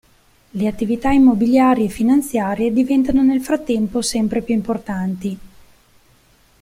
Le attività immobiliari e finanziarie diventano nel frattempo sempre più importanti.